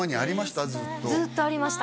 ずっとずっとありました